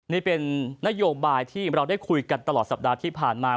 นี่เป็นนโยบายที่เราได้คุยกันตลอดสัปดาห์ที่ผ่านมา